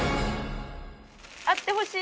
あってほしい。